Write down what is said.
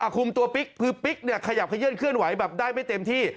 คลุมตัวปิ๊กเพียบขยับนะคะเยือลเคลื่อนไหวได้ไปเต็มที่